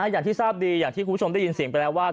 อย่างที่ทราบดีอย่างที่คุณผู้ชมได้ยินเสียงไปแล้วว่า